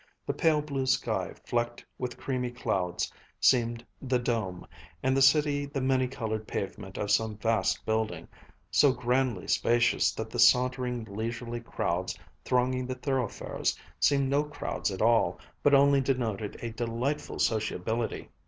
The pale blue sky flecked with creamy clouds seemed the dome, and the city the many colored pavement of some vast building, so grandly spacious that the sauntering, leisurely crowds thronging the thoroughfares seemed no crowds at all, but only denoted a delightful sociability.